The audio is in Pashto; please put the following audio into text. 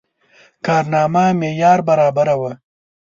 کارنامه معیار برابره وه.